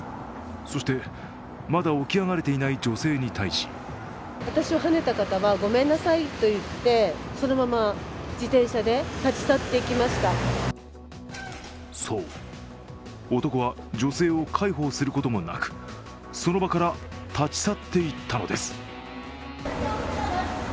そして、まだ起き上がれていない女性に対しそう、男は女性を介抱することもなく、その場から立ち去っていったのです。